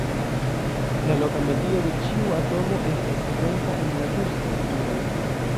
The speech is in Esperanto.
La loka medio de ĉiu atomo estas identa en la du strukturoj.